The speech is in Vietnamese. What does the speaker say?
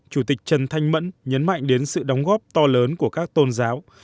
chủ tịch trần thanh mẫn nhấn mạnh đến sự đóng góp to lớn của các tôn giáo